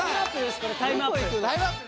タイムアップです